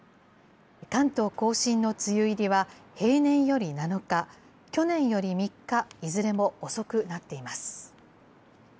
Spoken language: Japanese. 関東甲信の梅雨入りは平年より７日、去年より３日、いずれも遅くなっています。